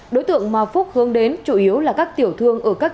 đối tượng mà phúc hướng đến chủ yếu là các tiểu thương